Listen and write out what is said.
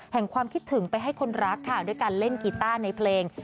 ความคิดถึงไปให้คนรักค่ะด้วยการเล่นกีต้าในเพลง